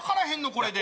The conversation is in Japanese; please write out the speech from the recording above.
これで。